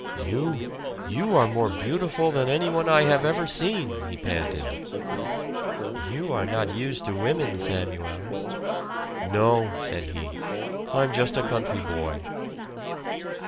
"You you are more beautiful than anyone I have ever seen," he panted. "You are not used to women, Samuel!" "No," said he. "I'm just a country boy."